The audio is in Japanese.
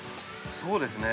そうですね。